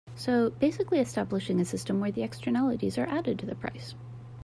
So basically establishing a system where the externalities are added to the price.